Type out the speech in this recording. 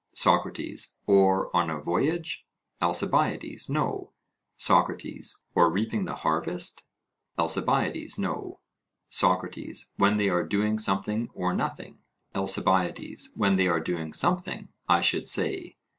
SOCRATES: Or on a voyage? ALCIBIADES: No. SOCRATES: Or reaping the harvest? ALCIBIADES: No. SOCRATES: When they are doing something or nothing? ALCIBIADES: When they are doing something, I should say.